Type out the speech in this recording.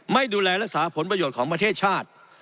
ไม่ดูแลรักษาผลประโยชน์ของประเทศชาติ